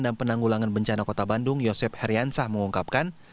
dan penanggulangan bencana kota bandung yosep heriansah mengungkapkan